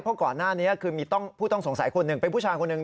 เพราะก่อนหน้านี้คือมีผู้ต้องสงสัยคนหนึ่งเป็นผู้ชายคนหนึ่ง